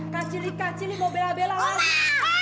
kacili kacili mau bela bela langsung